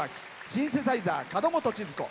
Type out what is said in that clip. シンセサイザー、角本ちづ子。